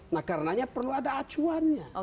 nah karenanya perlu ada acuannya